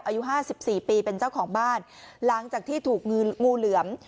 อายุห้าสิบสี่ปีเป็นเจ้าของบ้านหลังจากที่ถูกงูงูเหลือม